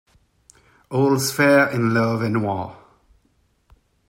All's fair in love and war.